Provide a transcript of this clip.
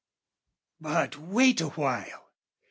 But wait awhile!